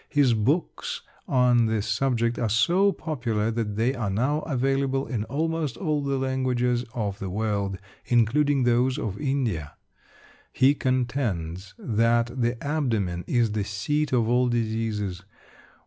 His books on this subject are so popular that they are now available in almost all the languages of the world, including those of India. He contends that the abdomen is the seat of all diseases.